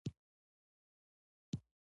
د صبر لمن د امید فضا ده.